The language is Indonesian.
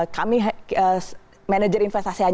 kami manajer investasi hanya